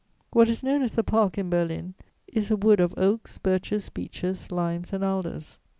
What is known as the Park, in Berlin, is a wood of oaks, birches, beeches, limes and alders.